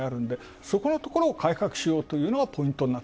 そこのところを改革しようというのがポイント。